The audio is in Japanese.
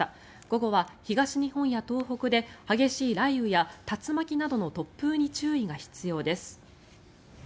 午後は東日本や東北で激しい雷雨や竜巻などの突風に注意が必要です。